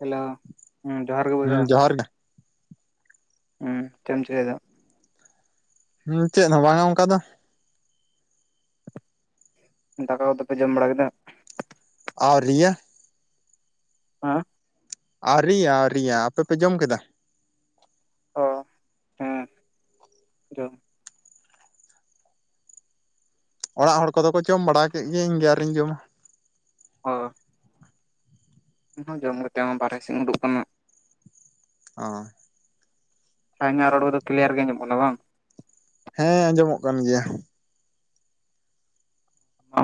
Hello, ᱦᱩᱸ ᱡᱚᱦᱟᱨ ᱜᱮ ᱵᱚᱭᱦᱟ‌, ᱦᱩᱸ ᱡᱚᱦᱟᱨ ᱜᱮ ᱦᱩᱸ, ᱪᱮᱜ ᱮᱢ ᱪᱤᱠᱟᱭ ᱫᱟ? ᱦᱩᱸ, ᱪᱮᱫ ᱦᱚᱸ ᱵᱟᱝᱟ ᱚᱱᱠᱟ ᱫᱚ᱾ ᱫᱟᱠᱟ ᱠᱚᱫᱚ ᱯᱮ ᱡᱚᱢ ᱵᱟᱲᱟ ᱠᱮᱫᱟ? ᱟᱣᱨᱤᱭᱟ᱾ ᱟᱸ᱾ ᱟᱣᱨᱤᱭᱟ, ᱟᱣᱨᱤᱭᱟ ᱟᱯᱮ ᱯᱮ ᱡᱚᱢ ᱠᱮᱫᱟ? ᱚ, ᱦᱮᱸ, ᱡᱚᱢ᱾ ᱚᱲᱟᱜ ᱦᱚᱲ ᱠᱚᱫᱚ ᱠᱚ ᱡᱚᱢ ᱵᱟᱲᱟ ᱠᱮᱜ ᱜᱮ, ᱤᱧ ᱜᱮ ᱟᱣᱨᱤᱧ ᱡᱚᱢᱟ᱾ ᱦᱚ᱾ ᱤᱧ ᱦᱚᱸ ᱡᱚᱢ ᱠᱟᱛᱮᱜ ᱦᱚᱸ, ᱵᱟᱨᱦᱮ ᱥᱮᱜ ᱤᱧ ᱩᱸᱰᱩᱠ ᱠᱟᱱᱟ᱾ ᱚ᱾ ᱦᱮᱸ ᱤᱧᱟᱜ ᱨᱚᱲ ᱠᱚᱫᱚ, ᱠᱤᱞᱤᱭᱟᱨ ᱜᱮ ᱟᱧᱡᱚᱢᱚᱜ ᱠᱟᱱᱟ ᱵᱟᱝ? ᱦᱮᱸ, ᱟᱸᱡᱚᱢᱚᱜ ᱠᱟᱱ ᱜᱮᱭᱟ᱾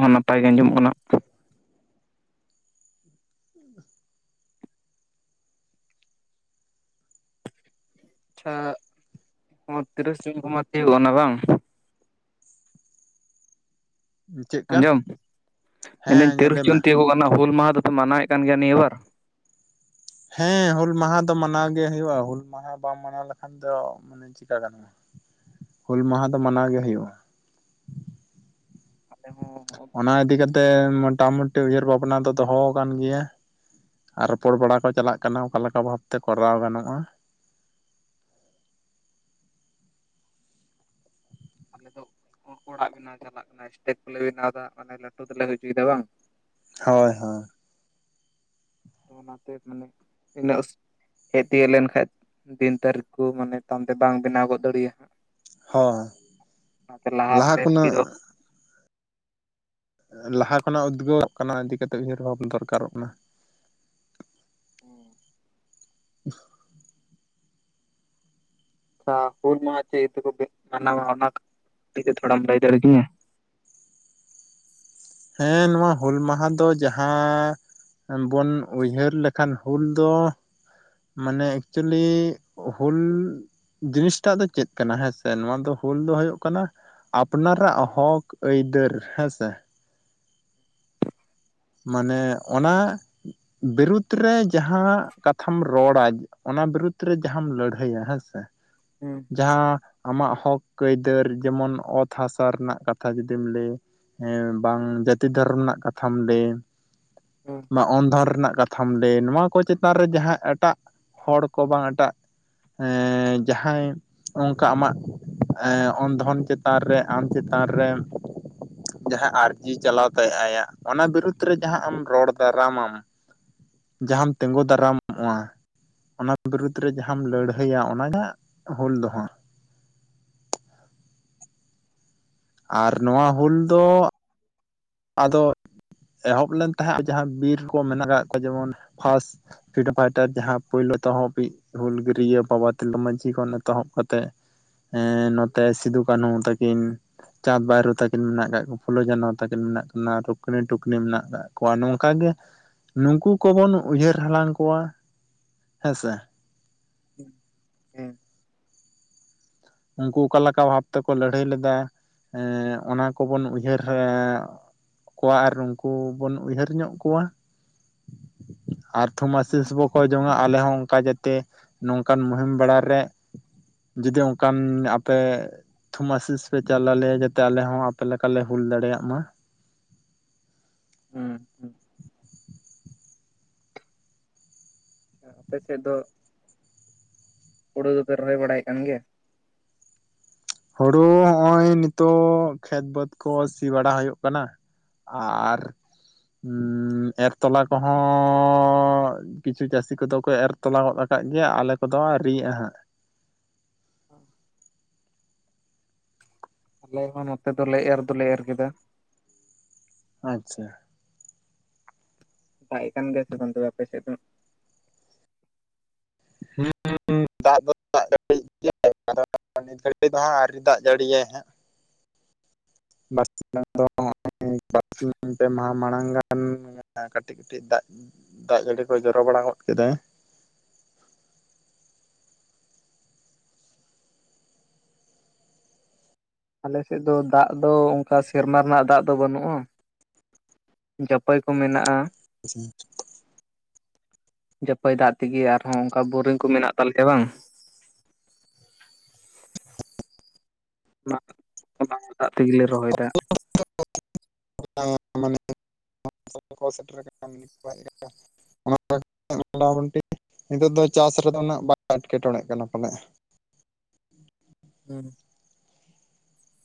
ᱦᱚᱸ, ᱱᱟᱯᱟᱭ ᱜᱮ ᱟᱸᱡᱚᱢᱚᱜ ᱠᱟᱱᱟ᱾ ᱟᱪᱪᱷᱟ, ᱱᱚᱶᱟ ᱛᱤᱨᱤᱥ ᱡᱩᱱ ᱠᱚᱢᱟ ᱛᱤᱭᱟᱹᱜᱚᱜ ᱠᱟᱱᱟ ᱵᱟᱝ? ᱪᱮᱫᱠᱟ ᱟᱸᱡᱚᱢ, ᱢᱮᱱ ᱫᱟᱹᱧ ᱦᱮᱸ ᱞᱟᱹᱭ ᱛᱤᱨᱤᱥ ᱢᱮ ᱡᱩᱱ ᱛᱤᱭᱟᱹᱜᱚᱜ ᱠᱟᱱᱟ, ᱦᱩᱞ ᱢᱟᱦᱟᱸ ᱫᱚᱯᱮ ᱢᱟᱱᱟᱣᱮᱜ ᱠᱟᱱ ᱜᱮᱭᱟ ᱱᱤᱭᱟᱹ ᱵᱟᱨ? ᱦᱮᱸ ᱦᱩᱞ ᱢᱟᱦᱟᱸ ᱫᱚ ᱢᱟᱱᱟᱣ ᱜᱮ ᱦᱳᱭᱳᱜ-ᱟ, ᱦᱩᱞ ᱢᱟᱦᱟᱸ ᱵᱟᱢ ᱢᱟᱱᱟᱣ ᱞᱮᱠᱷᱟᱱ ᱫᱚᱼᱼ ᱪᱤᱠᱟ ᱜᱟᱱᱚᱜ-ᱟ, ᱦᱩᱞ ᱢᱟᱦᱟᱸ ᱫᱚ ᱢᱟᱱᱟᱣ ᱜᱮ ᱦᱳᱭᱳᱜ-ᱟ᱾ ᱟᱞᱮ ᱦᱚᱸ ᱚᱱᱟ ᱤᱫᱤ ᱠᱟᱛᱮᱜ ᱢᱚᱴᱟᱼᱢᱩᱴᱤ ᱩᱭᱦᱟᱹᱨ ᱵᱷᱟᱵᱽᱱᱟ ᱫᱚ ᱫᱚᱦᱚᱣ ᱠᱟᱱ ᱜᱮᱭᱟ᱾ ᱟᱨ ᱨᱚᱯᱚᱲ ᱵᱟᱲᱟ ᱠᱚ ᱪᱟᱞᱟᱜ ᱠᱟᱱᱟ, ᱚᱠᱟ ᱞᱮᱠᱟ ᱵᱷᱟᱵᱽ ᱛᱮ ᱠᱚᱨᱟᱣ ᱜᱟᱱᱚᱜ-ᱟ᱾ ᱟᱞᱮ ᱫᱚ ᱚᱸᱜ ᱚᱲᱟᱜ ᱵᱮᱱᱟᱣ ᱪᱟᱞᱟᱜ ᱠᱟᱱᱟ ᱮᱥᱴᱮᱪ ᱠᱚᱞᱮ ᱵᱮᱱᱟᱣ ᱫᱟ ᱢᱟᱱᱮ ᱞᱟᱹᱴᱩ ᱛᱮᱞᱮ ᱦᱩᱭ ᱪᱩᱭ ᱮᱫᱟ ᱵᱟᱝ? ᱦᱚᱭ ᱦᱚᱭ᱾ ᱚᱱᱟ ᱛᱮ ᱢᱟᱱᱮ ᱤᱱᱟᱹᱜ ᱩᱥᱼ ᱦᱮᱡ ᱛᱤᱭᱟᱹᱜ ᱞᱮᱱ ᱠᱷᱟᱡ ᱫᱤᱱ ᱛᱟᱹᱨᱤᱠᱷ ᱠᱚ ᱢᱟᱱᱮ ᱛᱟᱢᱛᱮ ᱵᱟᱝ ᱵᱮᱱᱟᱣ ᱜᱚᱫᱽ ᱫᱟᱹᱲᱤᱭᱟᱜᱼᱟ ᱦᱟᱸᱜ᱾ ᱦᱳᱭ ᱚᱱᱟ ᱛᱮ ᱞᱟᱦᱟ ᱨᱮᱞᱮ ᱨᱮᱰᱤ ᱫᱚᱼᱼ ᱞᱟᱦᱟ ᱠᱷᱚᱱᱟᱜ ᱩᱫᱽᱜᱟᱹᱣᱚᱜ ᱠᱟᱱᱟ, ᱤᱫᱤ ᱠᱟᱛᱮᱜ ᱩᱭᱦᱟᱹᱨ ᱵᱷᱟᱵᱽ ᱫᱚᱨᱠᱟᱨᱚᱜ ᱠᱟᱱᱟ᱾ ᱦᱩᱸ᱾ [inaudible] ᱟᱪᱪᱷᱟ ᱦᱩᱞ ᱢᱟᱦᱟᱸ ᱪᱮᱜ ᱤᱭᱟᱹ ᱛᱮ ᱠᱚ ᱢᱟᱱᱟᱣᱟ? ᱚᱱᱟ [inaudible] ᱴᱤᱡ‌ ᱛᱷᱚᱲᱟᱢ ᱞᱟᱹᱭ ᱫᱟᱹᱲᱤ ᱠᱤᱧᱟᱹ᱾ ᱦᱮᱸ ᱱᱚᱣᱟ ᱦᱩᱞ ᱢᱟᱦᱟᱸ ᱫᱚ ᱡᱟᱦᱟᱸᱼᱼ ᱚᱸ ᱵᱚᱱ ᱩᱭᱦᱟᱹᱨ ᱞᱮᱠᱷᱟᱱ ᱦᱩᱞ ᱫᱚᱼᱼ ᱢᱟᱱᱮ ᱮᱠᱪᱩᱞᱤ ᱦᱩᱞᱼᱼ ᱡᱤᱱᱤᱥ ᱴᱟᱜ ᱫᱚ ᱪᱮᱫ ᱠᱟᱱᱟ? ᱦᱮᱸ ᱥᱮ ᱱᱚᱣᱟ ᱫᱚ ᱦᱩᱞ ᱫᱚ ᱦᱩᱭᱩᱜ ᱠᱟᱱᱟᱼᱼ ᱟᱯᱱᱟᱨᱟᱜ ᱦᱚᱠ ᱟᱹᱭᱫᱟᱹᱨ ᱦᱮᱸ ᱥᱮ᱾ ᱢᱟᱱᱮ ᱚᱱᱟ ᱵᱤᱨᱩᱛ ᱨᱮ ᱡᱟᱦᱟᱸ ᱠᱟᱛᱷᱟᱢ ᱨᱚᱲᱟᱼᱼ ᱚᱱᱟ ᱵᱤᱨᱩᱫᱽ ᱨᱮ ᱡᱟᱦᱟᱸ ᱟᱢ ᱞᱟᱹᱲᱦᱟᱹᱭᱟ ᱦᱮᱸ ᱥᱮ᱾ ᱦᱩᱸ᱾ ᱡᱟᱦᱟᱸ ᱟᱢᱟᱜ ᱦᱚᱠ ᱟᱹᱭᱫᱟᱹᱨ ᱡᱮᱢᱚᱱ ᱚᱛ ᱦᱟᱥᱟ ᱨᱮᱱᱟᱜ ᱠᱟᱛᱷᱟ ᱡᱩᱫᱤᱢ ᱞᱟᱹᱭᱼᱟ᱾ ᱦᱮᱸ ᱵᱟᱝ ᱡᱟᱹᱛᱤ ᱫᱷᱚᱨᱚᱢ ᱨᱮᱱᱟᱜ ᱠᱟᱛᱷᱟᱢ ᱞᱟᱹᱭᱟ ᱦᱩᱸ ᱟᱢᱟᱜ ᱚᱱ ᱫᱷᱚᱨ ᱨᱮᱱᱟᱜ ᱠᱟᱛᱼᱼ ᱛᱷᱟᱢ ᱞᱟᱹᱭ, ᱱᱚᱣᱟ ᱠᱚ ᱪᱮᱛᱟᱱ ᱨᱮ ᱡᱟᱦᱟᱸ ᱮᱴᱟᱜ ᱦᱚᱲ ᱠᱚ ᱵᱟᱝ ᱮᱴᱟᱜ ᱮ ᱡᱟᱦᱟᱸᱭ ᱚᱱᱠᱟ ᱟᱢᱟᱜ ᱮᱸ ᱚᱱᱫᱷᱚᱱ ᱪᱮᱛᱟᱱ ᱨᱮ ᱟᱢ ᱪᱮᱛᱟᱱ ᱨᱮ ᱡᱟᱦᱟᱸ ᱟᱹᱨᱡᱤ ᱪᱟᱞᱟᱣ ᱛᱟᱭ ᱟᱭᱟᱜ, ᱚᱱᱟ ᱵᱤᱨᱩᱫᱽ ᱨᱮ ᱡᱟᱦᱟᱸ ᱟᱢ ᱨᱚᱲ ᱫᱟᱨᱟᱢ ᱟᱢ ᱡᱟᱦᱟᱢ ᱛᱤᱸᱜᱩ ᱫᱟᱨᱟᱢᱚᱜᱼᱟ᱾ ᱚᱱᱟ ᱵᱤᱨᱩᱫᱽ ᱨᱮ ᱡᱟᱦᱟᱸᱢ ᱞᱟᱹᱲᱦᱟᱹᱭᱼᱟ, ᱚᱱᱟ ᱜᱮᱦᱟ ᱦᱩᱞ ᱫᱚᱦᱟᱜ᱾ ᱟᱨ ᱱᱚᱣᱟ ᱦᱩᱞ ᱫᱚ ᱟᱫᱚ ᱮᱦᱚᱵ ᱞᱮᱱ ᱛᱟᱦᱮᱸᱫ, ᱡᱟᱦᱟᱸ ᱵᱤᱨ ᱠᱚ ᱢᱮᱱᱟ ᱜᱟᱜ ᱠᱚᱣᱟ ᱡᱮᱢᱚᱱ ᱯᱷᱟᱥᱴ ᱯᱷᱨᱤᱰᱚᱢ ᱯᱷᱟᱭᱴᱟᱨ, ᱡᱟᱦᱟᱸ ᱯᱳᱭᱞᱳ ᱛᱮᱦᱚᱸ ᱵᱤᱼᱼ ᱦᱩᱞ ᱜᱟᱹᱨᱤᱭᱟᱹ ᱵᱟᱵᱟ ᱛᱤᱞᱟᱹ ᱢᱟᱹᱡᱷᱤ ᱠᱷᱚᱱ ᱮᱛᱚᱦᱚᱵ ᱠᱟᱛᱮᱜ ᱮ ᱱᱚᱛᱮ ᱥᱤᱫᱩ-ᱠᱟᱹᱱᱦᱩ ᱛᱟᱹᱠᱤᱱ, ᱪᱟᱸᱫᱽ- ᱵᱟᱭᱨᱳ ᱛᱟᱹᱠᱤᱱ ᱢᱮᱱᱟᱜ ᱠᱟᱫ ᱠᱚᱣᱟ, ᱯᱷᱩᱞᱳ ᱡᱷᱟᱱᱚ ᱛᱟᱹᱼᱼ ᱩᱱᱠᱤᱱ ᱢᱮᱱᱟᱜ ᱠᱤᱱᱟᱹ᱾ ᱨᱩᱠᱱᱤ ᱴᱩᱠᱱᱤ ᱢᱮᱱᱟᱜ ᱠᱟᱜ ᱠᱚᱣᱟ᱾ ᱱᱚᱝᱠᱟ ᱜᱮ ᱱᱩᱝᱠᱩ ᱠᱚᱵᱚᱱ ᱩᱭᱦᱟᱹᱨ ᱦᱟᱞᱟᱝ ᱠᱚᱣᱟ ᱦᱮᱸᱥᱮ᱾ ᱦᱮᱸ᱾ ᱩᱱᱠᱩ ᱚᱠᱟ ᱞᱮᱠᱟ ᱵᱷᱟᱵᱽ ᱛᱮᱠᱚ ᱞᱟᱹᱲᱦᱟᱹᱭ ᱞᱮᱫᱟ? ᱦᱮᱸ, ᱚᱱᱟ ᱠᱚᱵᱚᱱ ᱩᱭᱦᱟᱹᱨ ᱦᱟᱨᱻ ᱠᱚᱣᱟ ᱟᱨ ᱩᱱᱠᱩ ᱵᱚᱱ ᱩᱭᱦᱟᱹᱨ ᱧᱚᱜ ᱠᱚᱣᱟ᱾ ᱟᱨ ᱛᱷᱩᱢᱟᱥᱤᱥ ᱵᱚ ᱠᱚᱭ ᱡᱚᱝᱼᱟ, ᱟᱞᱮ ᱦᱚᱸ ᱚᱱᱠᱟ ᱡᱛ ᱛᱮ ᱱᱚᱝᱠᱟᱱ ᱢᱩᱦᱤᱢ ᱵᱮᱲᱟ ᱨᱮ ᱡᱩᱫᱤᱝᱼᱼ ᱠᱟᱱ ᱟᱯᱮ ᱛᱷᱩᱢ-ᱟᱥᱤᱥ ᱯᱮ ᱪᱟᱞ ᱟᱞᱮᱭᱟ, ᱡᱟᱛᱮ ᱟᱞᱮ ᱦᱚᱸ ᱟᱯᱮ ᱞᱮᱠᱟᱞᱮ ᱦᱩᱞ ᱫᱟᱲᱮᱭᱟᱜ ᱢᱟ᱾ ᱦᱩᱸ᱾ ᱟᱯᱮ ᱥᱮᱫ ᱫᱚ, ᱦᱩᱲᱩ ᱫᱚ ᱯᱮ ᱨᱚᱦᱚᱭ ᱵᱟᱲᱟᱭᱮᱫ ᱠᱟᱱ ᱜᱮᱭᱟ? ᱦᱩᱲᱩ ᱦᱚᱜᱼᱚᱭ ᱱᱤᱛᱳᱜ ᱠᱷᱮᱛ ᱵᱟᱹᱫᱽ ᱠᱚ ᱥᱤ ᱵᱟᱲᱟ ᱦᱩᱭᱩᱜ ᱠᱟᱱᱟ᱾ ᱟᱨ ᱮᱨ ᱛᱚᱞᱟ ᱠᱚᱦᱚᱸ ᱠᱤᱪᱷᱩ ᱪᱟᱹᱥᱤ ᱠᱚᱫᱚ ᱠᱚ ᱮᱨ ᱛᱚᱞᱟ ᱜᱚᱫ ᱟᱠᱟᱫ ᱜᱮᱭᱟ᱾ ᱟᱞᱮ ᱠᱚᱫᱚ ᱟᱹᱣᱨᱤ ᱭᱟᱜᱼᱟ ᱦᱟᱸᱜ᱾ ᱟᱞᱮ ᱦᱚᱸ ᱱᱚᱛᱮ ᱫᱚᱞᱮ ᱮᱨ ᱫᱚᱞᱮ ᱮᱨ ᱠᱮᱫᱟ᱾ ᱟᱪᱪᱷᱟ᱾ ᱫᱟᱜ ᱮᱜ ᱠᱟᱱ ᱜᱮᱭᱟ ᱛᱚᱵᱮ ᱚᱱᱛᱮ ᱫᱚ ᱯᱮ ᱥᱮᱫ ᱫᱚ? [unintelligible] [inaudible] ᱱᱤᱛ ᱜᱷᱟᱹᱲᱤᱡ ᱫᱚ ᱦᱟᱸᱜ ᱟᱣᱨᱤ ᱫᱟᱜ ᱡᱟᱹᱲᱤᱭᱟᱭ ᱦᱟᱸᱜ᱾ ᱵᱟᱨ [inaudible] [inaudible] ᱯᱮ ᱢᱟᱦᱟ ᱢᱟᱲᱟᱝ ᱜᱟᱱ ᱠᱟᱹᱴᱤᱡ ᱠᱟᱹᱴᱤᱡ ᱫᱟᱜ, ᱫᱟᱜ ᱡᱟᱹᱲᱤ ᱠᱚᱭ ᱡᱚᱨᱚ ᱵᱟᱲᱟ ᱜᱚᱫ ᱠᱮᱫᱟᱭ ᱟᱞᱮᱥᱮᱫ ᱫᱚ ᱫᱟᱜ ᱫᱚ ᱚᱱᱠᱟ ᱥᱮᱨᱢᱟ ᱨᱮᱱᱟᱜ ᱫᱟᱜ ᱫᱚ ᱵᱟᱹᱱᱩᱜᱼᱟ ᱡᱟᱹᱯᱟᱹᱭ ᱠᱚ ᱢᱮᱱᱟᱜᱼᱟ [unintelligible] ᱡᱟᱹᱯᱟᱹᱭ ᱫᱟᱜ ᱛᱮᱜᱮ ᱟᱨᱦᱚᱸ ᱚᱱᱠᱟ ᱵᱳᱨᱤᱝ ᱠᱚ ᱢᱮᱱᱟᱜ ᱛᱟᱞᱮᱭᱟ ᱵᱟᱝ [inaudible] ᱚᱱᱟ ᱚᱱᱟ ᱫᱟᱜ ᱛᱮᱜᱮᱞᱮ ᱨᱚᱦᱚᱭᱮᱫᱟ [inaudible] [inaudible] ᱱᱤᱛᱚᱜ ᱫᱚ ᱪᱟᱥ ᱨᱮᱫᱚ ᱩᱱᱟᱹᱜ ᱵᱟᱭ ᱮᱴᱠᱮᱴᱚᱬᱮᱜ ᱠᱟᱱᱟ ᱯᱟᱞᱮ ᱦᱩᱸ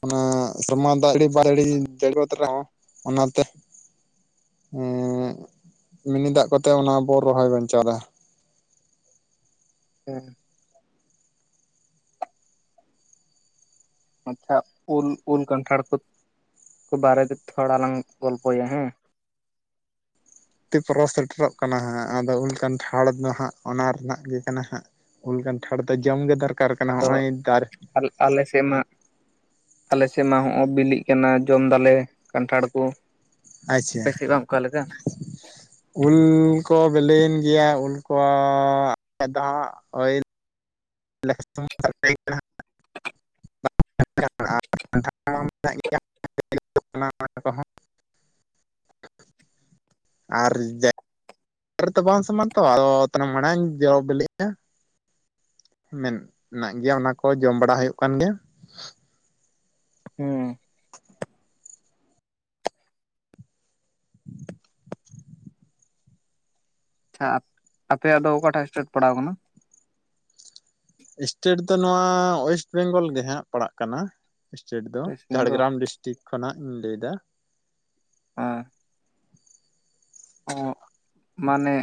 ᱚᱱᱟ ᱥᱚᱢᱟ [inaudible] ᱚᱱᱟᱛᱮ ᱮᱸᱜ ᱢᱤᱱᱤ ᱫᱟᱜ ᱠᱚᱛᱮ ᱚᱱᱟ ᱵᱚ ᱨᱚᱦᱚᱭ ᱵᱟᱧᱪᱟᱣ ᱮᱫᱟ, ᱩᱸ ᱟᱪᱪᱷᱟ ᱩᱞᱼᱩᱞ ᱠᱟᱱᱴᱷᱟᱲ ᱠᱚ ᱠᱚ ᱵᱟᱨᱮ ᱛᱮ ᱛᱷᱚᱲᱟ ᱞᱟᱝ ᱜᱚᱞᱯᱚᱭᱟ ᱦᱮᱸ ᱱᱚᱛᱮ ᱯᱚᱨᱚᱵᱽ ᱥᱮᱴᱮᱨᱚᱜ ᱠᱟᱱᱟ ᱦᱟᱸᱜ ᱟᱫᱚ ᱩᱞ ᱠᱟᱱᱴᱷᱟᱲ ᱫᱚ ᱦᱟᱸᱜ ᱚᱱᱟ ᱨᱮᱱᱟᱜ ᱜᱮ ᱠᱟᱱᱟ ᱦᱟᱸᱜ, ᱩᱞ ᱠᱟᱱᱴᱷᱟᱲ ᱫᱚ ᱡᱚᱢᱜᱮ ᱫᱚᱨᱠᱟᱨ ᱠᱟᱱᱟ ᱟᱫᱚ ᱱᱚᱜᱼᱚᱭ ᱫᱟᱨᱮ- ᱟᱞᱮ ᱥᱮᱜ ᱢᱟ ᱟᱞᱮᱥᱮᱫ ᱢᱟ ᱦᱚᱜᱼᱚᱭ ᱵᱤᱞᱤᱜ ᱠᱟᱱᱟ ᱡᱚᱢᱫᱟᱞᱮ ᱠᱟᱱᱴᱷᱟᱲ ᱠᱚ ᱟᱪᱪᱷᱟ ᱟᱯᱮ ᱥᱮᱜ ᱵᱟᱝ ᱚᱠᱟᱞᱮᱠᱟ ᱩᱞ ᱠᱚ ᱵᱤᱞᱤᱭᱮᱱ ᱜᱮᱭᱟ ᱩᱞ ᱠᱚ ᱟᱡ ᱫᱚ ᱦᱟᱸᱜ ᱳᱭ [inaudible] ᱢᱮᱱᱟᱜ ᱜᱮᱭᱟ [inaudible] ᱟᱨ ᱡᱮ ᱛᱚ ᱵᱟᱝ ᱥᱚᱢᱟᱱ ᱛᱚ ᱟᱫᱚ ᱢᱟᱲᱟᱝ ᱡᱚ ᱵᱮᱞᱮᱜ-ᱟ ᱢᱮᱱᱟᱜ ᱜᱮᱭᱟ ᱚᱱᱟ ᱠᱚ ᱡᱚᱢ ᱵᱟᱲᱟ ᱦᱩᱭᱩᱜ ᱠᱟᱱ ᱜᱮᱭᱟ ᱦᱩᱸ ᱟᱪᱪᱷᱟ ᱟᱯᱮᱭᱟᱜ ᱫᱚ ᱚᱠᱟᱴᱟᱜ ᱥᱴᱮᱴ ᱯᱟᱲᱟᱣ ᱠᱟᱱᱟ ᱥᱴᱮᱴ ᱫᱚ ᱱᱚᱣᱟ ᱳᱭᱮᱥᱴ ᱵᱮᱝᱜᱚᱞ ᱜᱮᱦᱟᱸᱜ ᱯᱟᱲᱟᱜ ᱠᱟᱱᱟ ᱥᱴᱮᱴ ᱫᱚ ᱳᱭᱮᱥᱴ ᱵᱮᱝᱜᱚᱞ ᱡᱷᱟᱲᱜᱨᱟᱢ ᱰᱤᱥᱴᱤᱠ ᱴᱷᱤᱠ ᱠᱷᱚᱱᱟᱜ ᱤᱧ ᱞᱟᱹᱭᱮᱫᱟ ᱟ ᱚ ᱢᱟᱱᱮ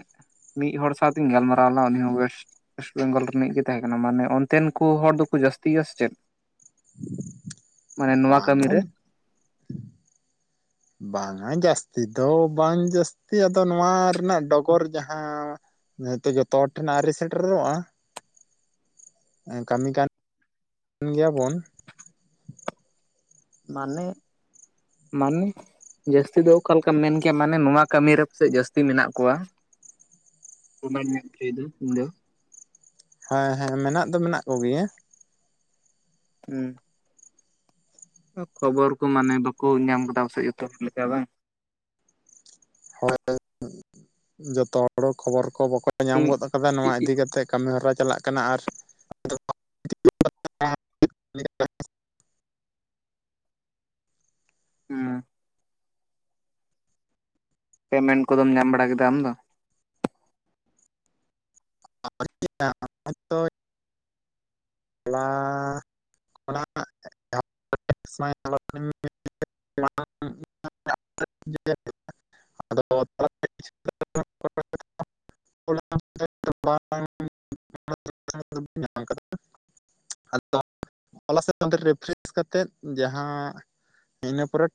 ᱢᱤᱫ ᱦᱚᱲ ᱥᱟᱶᱛᱮᱧ ᱜᱟᱞᱢᱟᱨᱟᱣ ᱞᱮᱱᱟ ᱩᱱᱤ ᱦᱚᱸ ᱳᱭᱮᱥᱴ ᱭᱮᱥᱴ ᱵᱮᱝᱜᱚᱞ ᱨᱤᱱᱤᱡ ᱜᱮ ᱛᱟᱦᱮᱸ ᱠᱟᱱᱟ ᱢᱟᱱᱮ ᱚᱱᱛᱮᱱ ᱠᱚ ᱦᱚᱲ ᱫᱚᱠᱚ ᱡᱟᱹᱥᱛᱤᱭᱟ ᱥᱮ ᱪᱮᱫ, ᱢᱟᱱᱮ ᱱᱚᱣᱟ ᱵᱟᱝ [inaudible] ᱵᱟᱝ-ᱟ ᱡᱟᱹᱥᱛᱤ ᱫᱚ ᱵᱟᱝ ᱡᱟᱹᱥᱛᱤ ᱟᱫᱚ ᱱᱚᱣᱟ ᱨᱮᱱᱟᱜ ᱰᱚᱜᱚᱨ ᱡᱟᱦᱟᱸ ᱱᱤᱦᱟᱹᱛᱤ ᱡᱚᱛᱚ ᱦᱚᱲ ᱴᱷᱮᱱ ᱟᱹᱣᱨᱤ ᱥᱮᱴᱮᱨᱚᱜᱼᱟ ᱠᱟᱹᱢᱤ ᱠᱟᱱ ᱜᱮᱭᱟ ᱵᱚᱱ ᱢᱟᱱᱮ ᱢᱟᱱᱮ ᱡᱟᱹᱥᱛᱤ ᱫᱚ ᱚᱠᱟ ᱞᱮᱠᱟᱢ ᱢᱮᱱ ᱠᱮᱜ-ᱟ ᱢᱟᱱᱮ ᱱᱚᱣᱟ ᱠᱟᱹᱢᱤ ᱨᱮ ᱯᱟᱥᱮᱫ ᱡᱟᱹᱥᱛᱤ ᱢᱮᱱᱟᱜ ᱠᱚᱣᱟ ᱩᱢᱮᱨ ᱨᱮᱭᱟᱜ [inaudible] ᱩᱱ ᱫᱚ ᱦᱮᱸ ᱦᱮᱸ ᱢᱮᱱᱟᱜ ᱫᱚ ᱢᱮᱱᱟᱜ ᱠᱚᱜᱮᱭᱟ ᱩᱸ ᱠᱷᱚᱵᱚᱨ ᱠᱚ ᱢᱟᱱᱮ ᱵᱟᱠᱚ ᱧᱟᱢ ᱠᱮᱫᱟ ᱥᱮ ᱡᱚᱛᱚ ᱫᱤᱱ ᱞᱮᱠᱟ ᱵᱟᱝ ᱦᱳᱭ ᱦᱳᱭ ᱡᱚᱛᱚ ᱦᱚᱲ ᱠᱷᱚᱵᱚᱨ ᱠᱚ ᱵᱟᱠᱚ ᱧᱟᱢ ᱤᱧ ᱜᱚᱫ ᱠᱟᱫᱟ ᱱᱚᱣᱟ ᱤᱫᱤ ᱠᱟᱛᱮᱫ ᱠᱟᱹᱢᱤᱦᱚᱨᱟ ᱪᱟᱞᱟᱜ ᱠᱟᱱᱟ ᱟᱨ [inaudible] ᱦᱩᱸ ᱯᱮᱢᱮᱱᱴ ᱠᱚᱫᱚᱢ ᱧᱟᱢ ᱵᱟᱲᱟ ᱠᱮᱫᱟ ᱟᱢ ᱫᱚ ᱟᱣᱨᱤᱭᱟ [unintelligible] [unintelligible] ᱟᱭ [inaudible] [unintelligible] ᱟᱫᱚ [inaudible] [inaudible] [unintelligible] ᱧᱟᱢ ᱟᱠᱟᱫᱟ [inaudible] ᱟᱫᱚ ᱚᱱᱟᱞᱟ ᱨᱮᱯᱷᱟᱨᱥ [unintelligible] ᱠᱟᱛᱮᱮᱫ ᱡᱟᱦᱟᱸ ᱤᱱᱟᱹ ᱯᱚᱨᱮ ᱴᱟᱜ,